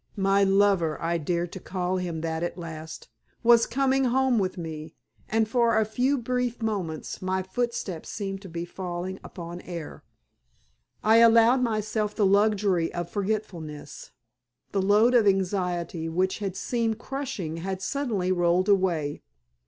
My lover I dared to call him that at last was coming home with me, and for a few brief moments my footsteps seemed to be falling upon air. I allowed myself the luxury of forgetfulness; the load of anxiety which had seemed crushing had suddenly rolled away.